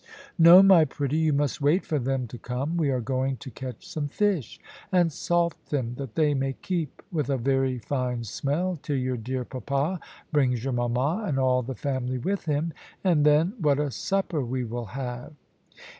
"No, my pretty, you must wait for them to come. We are going to catch some fish, and salt them, that they may keep with a very fine smell, till your dear papa brings your mama and all the family with him; and then what a supper we will have!"